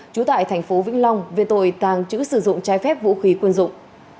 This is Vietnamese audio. trú tại thành phố vĩnh long về tội tàng trữ sử dụng trái phép vũ khí quân dụng